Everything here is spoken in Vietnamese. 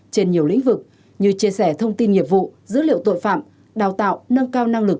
trên nhiều lĩnh vực như chia sẻ thông tin nghiệp vụ dữ liệu tội phạm đào tạo nâng cao năng lực